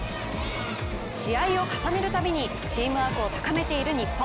試合を重ねるたびにチームワークを高めている日本。